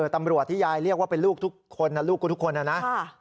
ตำรวจที่ยายเรียกว่าเป็นลูกทุกคนนะลูกกูทุกคนนะนะ